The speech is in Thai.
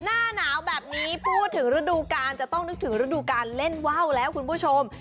หน้าหนาวแบบนี้พูดถึงฤดูกาลจะต้องนึกถึงฤดูการเล่นว่าวแล้วคุณผู้ชม